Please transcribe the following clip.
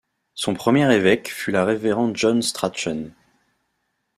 Son premier évêque fut la révérend John Strachan.